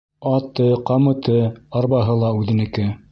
Аты, ҡамыты, арбаһы ла үҙенеке.